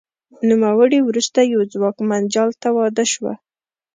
نوموړې وروسته یوه ځواکمن جال ته واده شوه